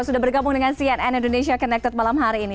sudah bergabung dengan cnn indonesia connected malam hari ini